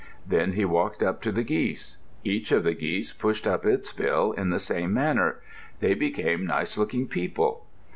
Then he walked up to the geese. Each of the geese pushed up its bill in the same manner; they became nice looking people.